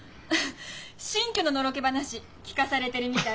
新居ののろけ話聞かされてるみたい。